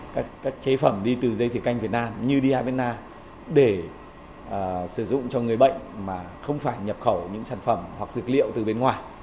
các chế phẩm đi từ dây thỉa canh việt nam như diabenna để sử dụng cho người bệnh mà không phải nhập khẩu những sản phẩm hoặc dược liệu từ bên ngoài